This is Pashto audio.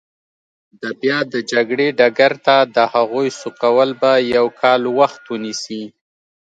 د بیا د جګړې ډګر ته د هغوی سوقول به یو کال وخت ونیسي.